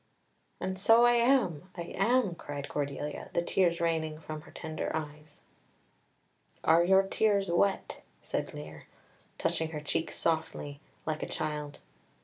"And so I am, I am," cried Cordelia, the tears raining from her tender eyes. "Are your tears wet?" said Lear, touching her cheeks softly, like a child.